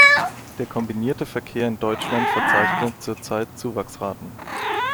Der kombinierte Verkehr in Deutschland verzeichnet zur Zeit Zuwachsraten.